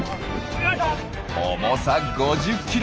重さ５０ｋｇ。